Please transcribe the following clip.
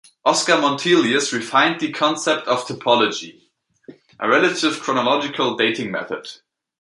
Oscar Montelius refined the concept of typology, a relative chronological dating method.